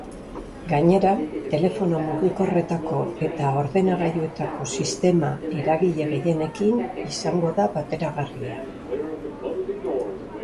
Gainera, telefono mugikorretako eta ordenagailuetako sistema eragile gehienekin izango da bateragarria.